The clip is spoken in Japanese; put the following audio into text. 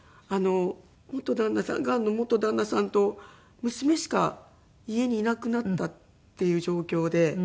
元旦那さんが元旦那さんと娘しか家にいなくなったっていう状況で。